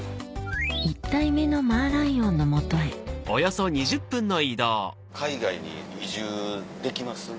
１体目のマーライオンのもとへ海外に移住できます？